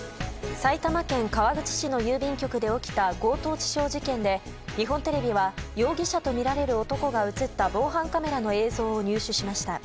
埼玉県川口市の郵便局で起きた強盗致傷事件で日本テレビは容疑者とみられる男が映った防犯カメラの映像を入手しました。